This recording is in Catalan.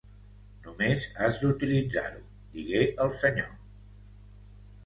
Només has d'utilitzar-ho, digué el Senyor.